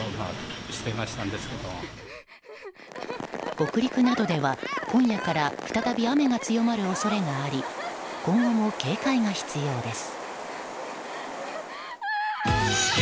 北陸などでは、今夜から再び雨が強まる恐れがあり今後も警戒が必要です。